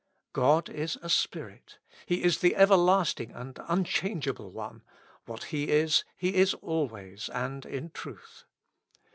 God is a Spirit; He is the Everlasting and Unchange able One ; what He is, He is always and in truth.